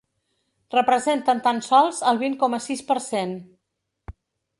Representen tan sols el vint coma sis per cent.